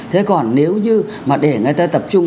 thế còn nếu như mà để người ta tập trung